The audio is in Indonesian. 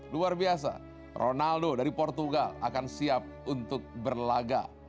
luar biasa ronaldo dari portugal akan siap untuk berlaga